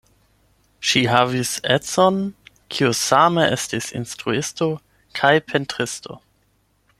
Ŝi havis edzon, kiu same estis instruisto kaj pentristo.